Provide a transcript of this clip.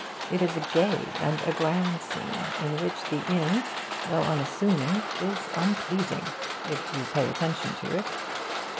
It is a gay and a grand scene, in which the inn, though unassuming, is unpleasing, if you pay attention to it.